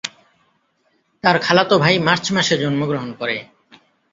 তার খালাতো ভাই মার্চ মাসে জন্মগ্রহণ করে।